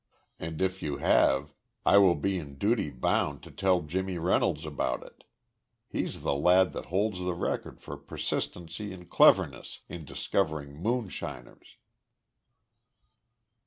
And if you have I will be in duty bound to tell Jimmy Reynolds about it he's the lad that holds the record for persistency and cleverness in discovering moonshiners."